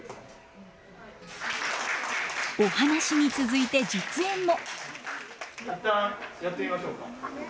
お話に続いて実演も。